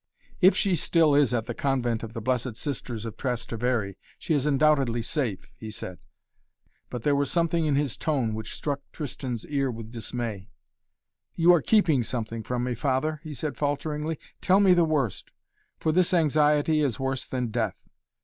"If she still is at the convent of the Blessed Sisters of Trastevere she is undoubtedly safe," he said, but there was something in his tone which struck Tristan's ear with dismay. "You are keeping something from me, Father," he said falteringly. "Tell me the worst! For this anxiety is worse than death.